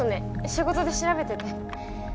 仕事で調べてて。